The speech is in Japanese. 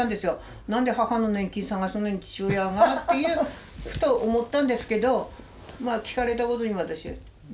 何で母の年金を探すのに父親がっていうふと思ったんですけどまあ聞かれたことに私は。